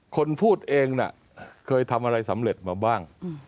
คนพูดเองน่ะเคยทำอะไรสำเร็จมาบ้าง